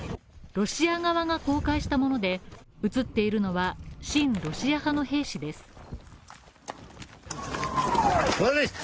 ロシア側が公開したもので映っているのは親ロシア派の兵士です。